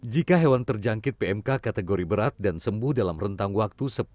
jika hewan terjangkit pmk kategori berat dan sembuh dalam rentang waktu